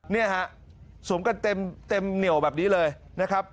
เนี่ยฮะสวมกันเต็มเหนียวแบบนี้เลยนะครับ